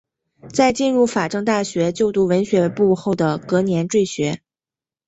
在进入法政大学就读文学部后的隔年辍学。